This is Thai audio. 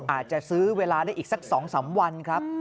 อาจจะซื้อเวลาได้อีกสัก๒๓วันครับ